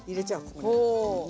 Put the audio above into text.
ここに。ね。